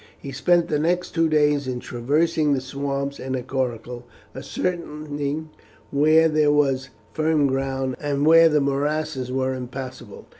He spent the next two days in traversing the swamps in a coracle, ascertaining where there was firm ground, and where the morasses were impassable.